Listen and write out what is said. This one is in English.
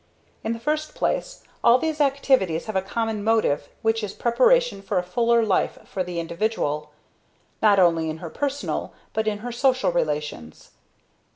In the first place all these activities have a common motive which is preparation for a fuller life for the individual, not only in her personal, but in her social relations.